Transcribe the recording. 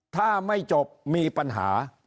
ถ้าไม่จบมีปัญหา